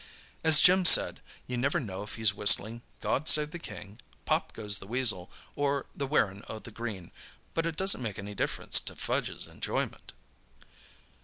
As Jim said, "You never know if he's whistling 'God Save the King,' 'Pop Goes the Weasel,' or 'The Wearin' o' the Green,' but it doesn't make any difference to Fudge's enjoyment!"